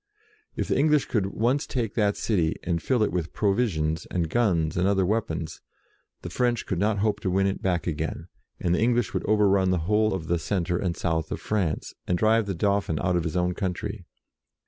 If the English could once take that city, and fill it with pro visions, and guns, and other weapons, the French could not hope to win it back again, and the English would overrun the whole of the centre and south of France, and drive the Dauphin out of his own country.